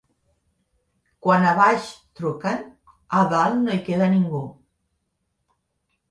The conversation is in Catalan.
Quan a baix truquen, a dalt no hi queda ningú.